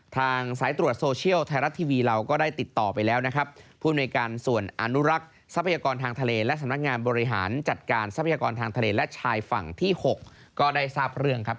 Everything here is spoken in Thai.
ทางสายตรวจโซเชียลไทยรัฐทีวีเราก็ได้ติดต่อไปแล้วนะครับ